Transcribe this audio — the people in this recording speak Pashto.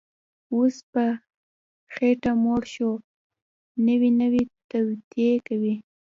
اوس په خېټه موړ شو، نوې نوې توطیې کوي